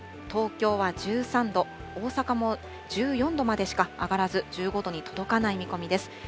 東京は１３度、大阪も１４度までしか上がらず、１５度に届かない見込みです。